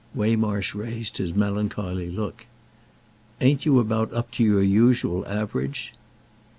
Waymarsh raised his melancholy look. "Ain't you about up to your usual average?"